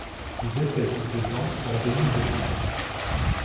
Les espèces de ce genre sont endémiques de France.